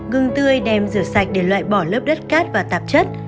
gừng tươi đem rửa sạch để loại bỏ lớp đất cát và tạp chất